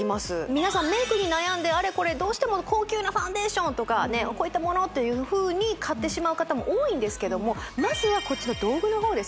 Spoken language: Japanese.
皆さんメイクに悩んでどうしても高級なファンデーションとかこういったものというふうに買ってしまう方も多いんですけどまずはこっちの道具の方ですよね